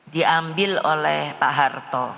diambil oleh pak harto